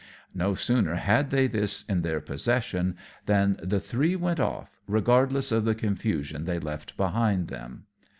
No sooner had they this in their possession than the three went off, regardless of the confusion they left behind them.